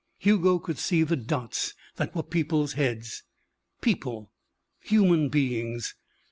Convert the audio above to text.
Hugo could see the dots that were people's heads. People! Human beings!